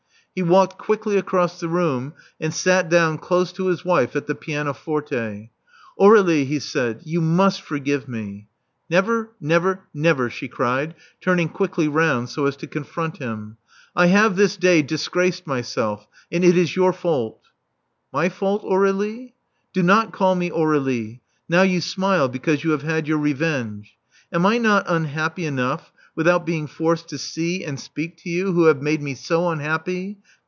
He walked quickly across the room, and sat down close to his wife at the pianoforte. *'Aur61ie, he said: you must forgive me." Never, never, never," she cried, turning quickly round so as to confront him. I have this day dis graced myself: and it is your fault." My fault, Aurdlie?" Do not call me Aur^lie. Now you smile because you have had your revenge. Am I not unhappy enough without being forced to see and speak to you, who have made me unhappy?